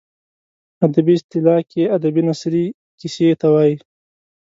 ادبي اصطلاح کې ادبي نثري کیسې ته وايي.